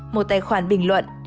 một tài khoản bình luận